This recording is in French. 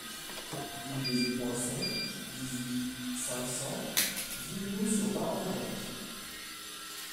Rue des Écoinçons, dix-huit, cinq cents Vignoux-sur-Barangeon